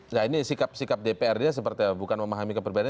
nah ini sikap dprd seperti bukan memahami keberadaan